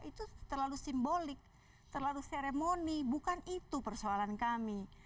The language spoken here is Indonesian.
itu terlalu simbolik terlalu seremoni bukan itu persoalan kami